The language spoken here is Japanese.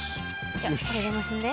じゃあこれを結んで。